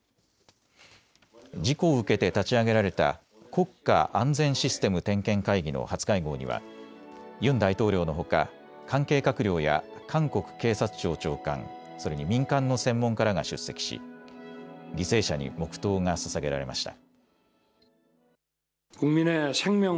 事故を受けて立ち上げられた国家安全システム点検会議の初会合にはユン大統領のほか関係閣僚や韓国警察庁長官、それに民間の専門家らが出席し犠牲者に黙とうがささげられました。